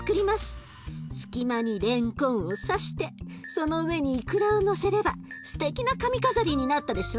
隙間にれんこんをさしてその上にいくらをのせればすてきな髪飾りになったでしょ？